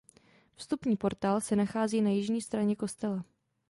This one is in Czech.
Vstupní portál se nachází na jižní straně kostela.